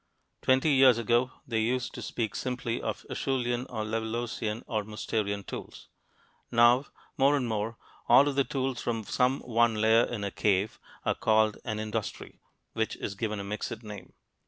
Twenty years ago, they used to speak simply of Acheulean or Levalloisian or Mousterian tools. Now, more and more, all of the tools from some one layer in a cave are called an "industry," which is given a mixed name.